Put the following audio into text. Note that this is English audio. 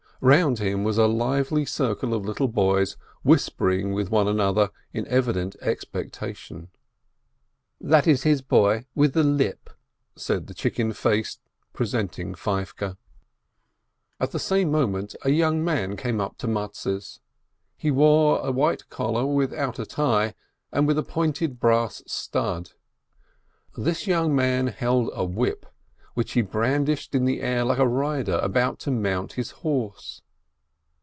Round him was a lively circle of little boys whispering with one another in evident expectation. "That is his boy, with the lip," said the chicken face, presenting Feivke. At the same moment a young man came up to Mattes. He wore a white collar without a tie and with a pointed brass stud. This young man held a whip, which he brandished in the air like a rider about to mount his horse.